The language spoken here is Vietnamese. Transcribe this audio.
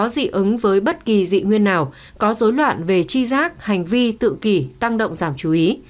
dị ứng với bất kỳ dị nguyên nào có dối loạn về chi giác hành vi tự kỷ tăng động giảm chú ý